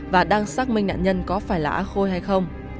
và đang xác minh nạn nhân có phải lã khôi hay không